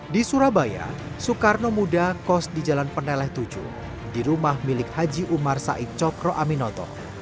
di surabaya soekarno muda kos di jalan peneleh tujuh di rumah milik haji umar said cokro aminoto